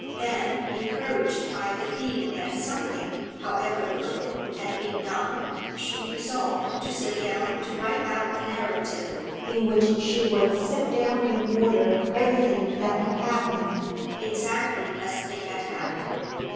Then, encouraged by the feeling that something, however little, had been done, she resolved to sit down to write out a narrative in which she would set down in order everything that had happened exactly as it had happened.